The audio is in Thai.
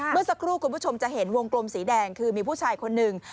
เมื่อสักครู่คุณผู้ชมจะเห็นวงกลมสีแดงคือมีผู้ชายคนหนึ่ง